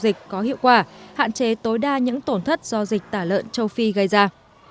dịch có hiệu quả hạn chế tối đa những tổn thất do dịch tả lợn châu phi gây ra